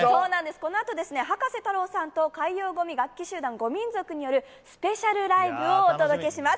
このあと、葉加瀬太郎さんと海洋ゴミ楽器集団ゴミンゾクによるスペシャルライブをお届けします。